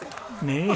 ねえ。